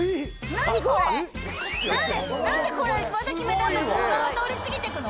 何で何でこれ技決めたあとそのまま通り過ぎていくの？